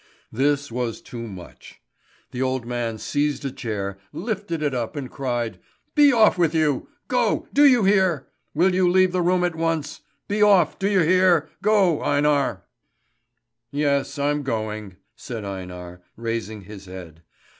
This was too much. The old man seized a chair, lifted it up and cried: "Be off with you! Go, do you hear? Will you leave the room at once? Be off, do you hear? Go, Einar!" "Yes, I'm going!" said Einar, raising his head.